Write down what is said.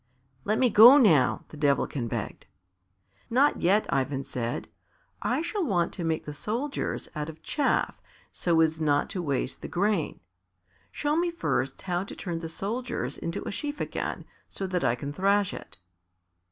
"Let me go now," the Devilkin begged. "Not yet," Ivan said. "I shall want to make the soldiers out of chaff so as not to waste the grain. Show me first how to turn the soldiers into a sheaf again, so that I can thrash it."